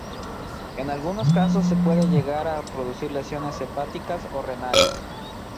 En algunos casos se pueden llegar a producir lesiones hepáticas o renales.